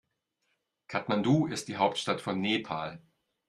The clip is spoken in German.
Kathmandu ist die Hauptstadt von Nepal.